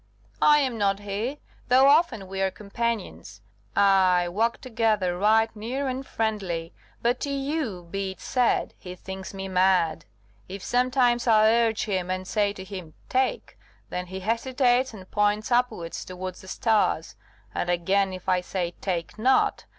"I am not he, though often we are companions, ay, walk together right near and friendly. But to you be it said, he thinks me mad. If sometimes I urge him, and say to him, 'Take!' then he hesitates and points upwards towards the stars. And again, if I say, 'Take not!